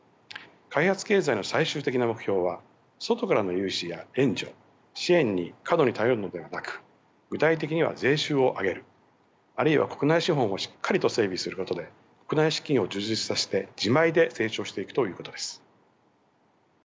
開発経済の最終的な目標は外からの融資や援助・支援に過度に頼るのではなく具体的には税収を上げるあるいは国内資本をしっかりと整備することで国内資金を充実させて自前で成長していくということです。